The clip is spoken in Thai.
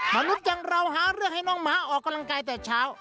มนุษย์อย่างเราหาเรื่องให้น้องหมาออกกำลังกายแต่เช้า